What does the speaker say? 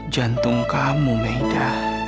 jantung kamu meida